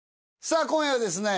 さあ今夜はですね